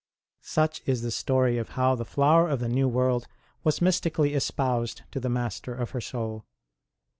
Such is the story of how the Flower of the New World was mystically espoused to the Master of her soul.